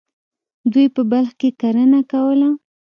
دوی په بلخ کې کرنه کوله.